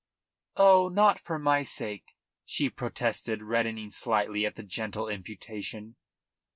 "Oh, not for my sake," she protested, reddening slightly at the gentle imputation.